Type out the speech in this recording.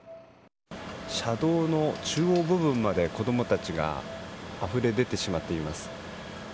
車道の中央部分まで子供たちがあふれ出てしまっています。